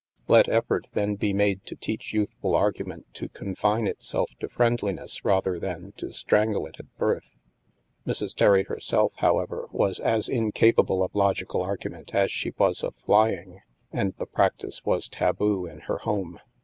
Let effort then be made to teach youthful argument to confine itself to friendliness, rather than to strangle it at birth. Mrs. Terry herself, however, was as incapable of logical argu ment as she was of flying, and the practice was taboo in her home.